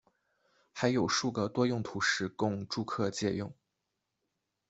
还有数个多用途室供住客借用。